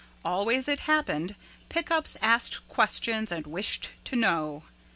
Always it happened Pick Ups asked questions and wished to know.